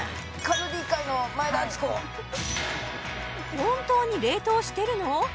本当に冷凍してるの？